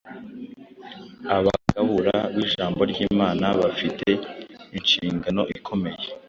Abagabura b’ijambo ry’Imana bafite inshingano ikomeye